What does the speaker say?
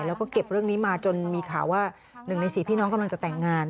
แล้วก็เก็บเรื่องนี้มาจนมีข่าวว่า๑ใน๔พี่น้องกำลังจะแต่งงาน